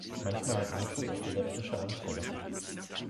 Manchmal hat Niko epileptische Anfälle.